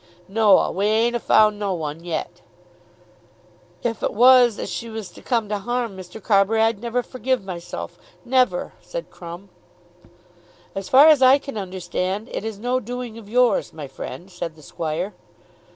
"Noa; we ain't a' found no one yet." "If it was as she was to come to harm, Mr. Carbury, I'd never forgive myself, never," said Crumb. "As far as I can understand it is no doing of yours, my friend," said the squire.